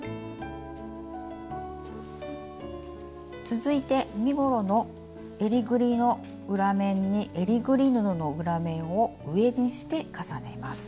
続いて身ごろのえりぐりの裏面にえりぐり布の裏面を上にして重ねます。